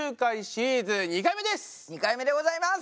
２回目でございます！